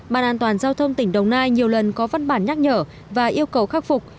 bàn an toàn giao thông tỉnh đồng nai nhiều lần có văn bản nhắc nhở và yêu cầu khắc phục